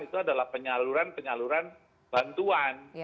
itu adalah penyaluran penyaluran bantuan